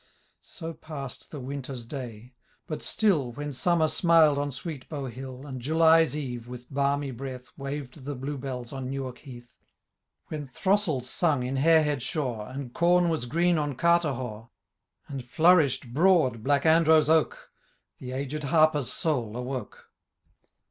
So passed the winter's day ; but still, AVhen summer smiled on sweet Bowhill,^ And July's eve, with balmy breath. Waved the blue bells on Newark heath ; Wlien throstles sung in Harehead shaw, And com was green on Carterhaugh,' And flourish'd, broad, Blackandro's oak. The aged Harper's soul awoke